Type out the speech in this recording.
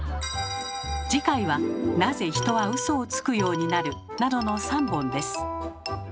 次回は「なぜ人はウソをつくようになる」などの３本です。